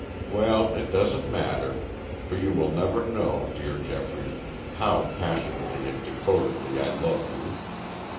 Well, it doesn't matter, for you will never know, dear Geoffrey, how passionately and devotedly I love you.